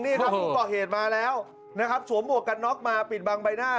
นี่ครับผมก็เห็นมาแล้วนะครับสวมหัวกับน้องมาปิดบางใบหน้า